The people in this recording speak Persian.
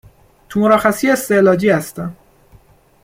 تو مرخصی استعلاجی هستم